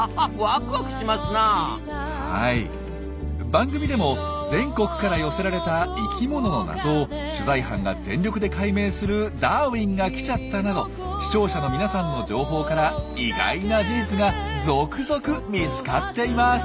番組でも全国から寄せられた生きものの謎を取材班が全力で解明する「ダーウィンが来ちゃった！」など視聴者の皆さんの情報から意外な事実が続々見つかっています。